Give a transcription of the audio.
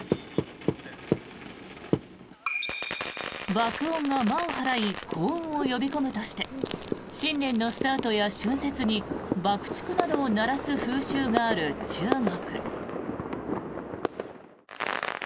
爆音が魔を払い幸運を呼び込むとして新年のスタートや春節に爆竹などを鳴らす風習がある中国。